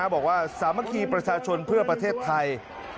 บอกว่าสามัคคีประชาชนเพื่อประเทศไทย